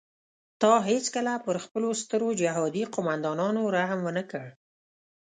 تا هیڅکله پر خپلو سترو جهادي قوماندانانو رحم ونه کړ.